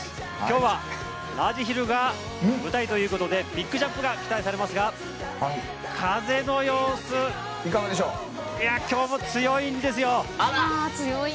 今日はラージヒルが舞台ということでビッグジャンプが期待されますが風の様子、今日も強いんですよ。